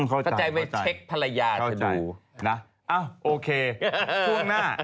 โอเคช่วงหน้านะครับ